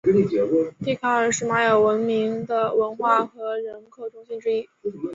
蒂卡尔是玛雅文明的文化和人口中心之一。